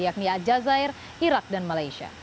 yakni adjazair irak dan malaysia